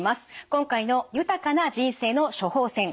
今回の「豊かな人生の処方せん」